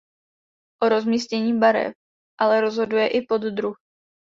O rozmístění barev ale rozhoduje i poddruh.